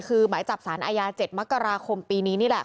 คือหมายจับสารอาญา๗มกราคมปีนี้นี่แหละ